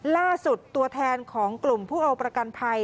ตัวแทนของกลุ่มผู้เอาประกันภัย